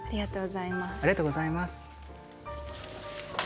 ありがとうございます。